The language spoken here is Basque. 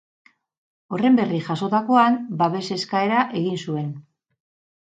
Horren berri jasotakoan, babes eskaera egin zuen.